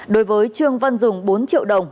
đối với trương văn dùng bốn triệu đồng